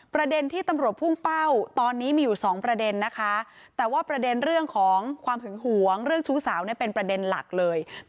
ประเด็นที่ตำรวจพุ่งเป้าตอนนี้มีอยู่สองประเด็นนะคะ